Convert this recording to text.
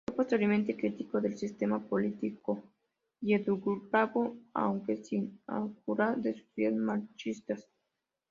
Fue posteriormente crítico del sistema político yugoslavo aunque sin abjurar de sus ideas marxistas.